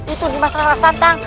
itu nimas rara santang